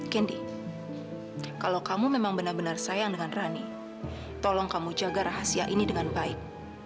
kendi kalau kamu memang benar benar sayang dengan rani tolong kamu jaga rahasia ini dengan baik